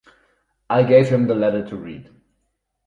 I gave him the letter to read.